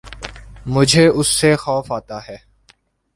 مجھے اس سے خوف آتا ہے